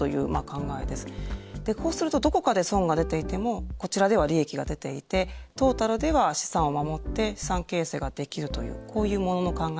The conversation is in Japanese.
こうするとどこかで損が出ていてもこちらでは利益が出ていてトータルでは資産を守って資産形成ができるというこういう物の考え方があります。